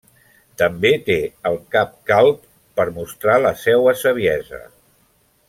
També té el cap calb per mostrar la seua saviesa.